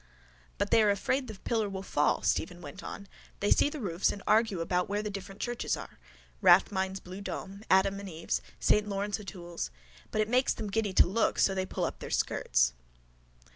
—But they are afraid the pillar will fall, Stephen went on. They see the roofs and argue about where the different churches are: Rathmines' blue dome, Adam and Eve's, saint Laurence O'Toole's. But it makes them giddy to look so they pull up their skirts...